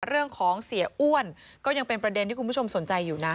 เสียอ้วนก็ยังเป็นประเด็นที่คุณผู้ชมสนใจอยู่นะ